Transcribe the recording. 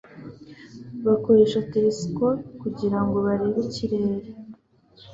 Bakoresha telesikope kugirango barebe ikirere.